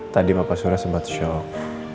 tadi pak surya sempat shock